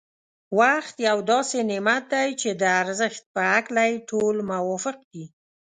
وخت یو داسې نعمت دی چي د ارزښت په هکله يې ټول موافق دی.